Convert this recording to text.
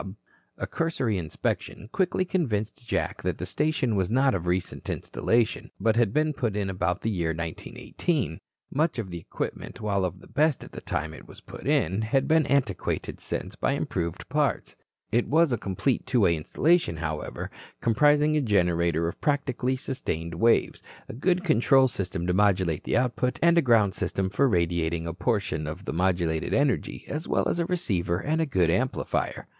A cursory inspection quickly convinced Jack that the station was not of recent installation, but had been put in about the year 1918. Much of the equipment, while of the best at the time it was put in, had been antiquated since by improved parts. It was a complete two way installation, however, comprising a generator of practically sustained waves, a good control system to modulate the output, and a ground system for radiating a portion of the modulated energy as well as a receiver and a good amplifier.